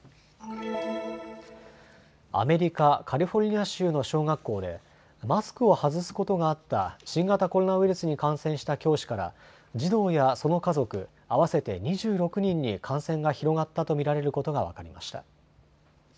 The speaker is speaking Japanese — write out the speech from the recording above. アメリカ・カリフォルニア州の小学校でマスクを外すことがあった新型コロナウイルスに感染した教師から児童やその家族、合わせて２６人に感染が広がったと見られることが分かりました。